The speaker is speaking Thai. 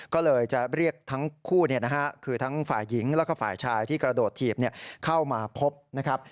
ก็เลยจะเรียกทั้งคู่คือทั้งฝ่ายหญิงแล้วก็ฝ่ายชายที่กระโดดถีบเข้ามาพบนะครับ